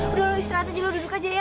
udah lu istirahat aja lu duduk aja ya